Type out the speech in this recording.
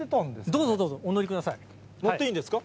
どうぞ、どうぞ、お乗りくだ乗っていいんですか？